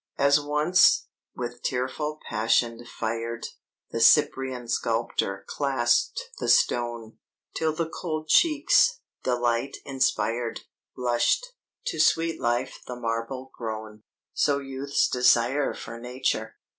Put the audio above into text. "As once, with tearful passion fired, The Cyprian sculptor clasp'd the stone, Till the cold cheeks, delight inspired, Blush'd to sweet life the marble grown; So youth's desire for Nature!